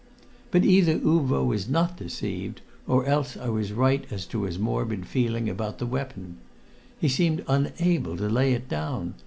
But either Uvo was not deceived, or else I was right as to his morbid feeling about the weapon. He seemed unable to lay it down.